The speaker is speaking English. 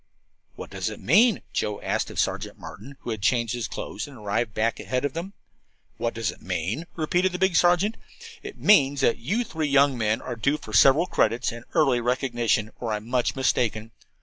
"What does it mean?" Joe asked of Sergeant Martin, who had changed his clothes and arrived back ahead of them. "What does it mean?" repeated the big sergeant. "It means that you three young men are due for several credits and early recognition, or I'm much mistaken.